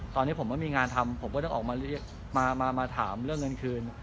ตอนนี้ผมไม่มีงานทำผมก็ต้องออกมาถามเรื่องเงินคืน